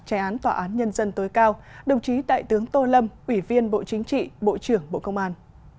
trái án tòa án nhân dân tối cao đồng chí đại tướng tô lâm ủy viên bộ chính trị bộ trưởng bộ công an